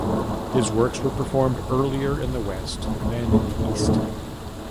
His works were performed earlier in the West than in the East.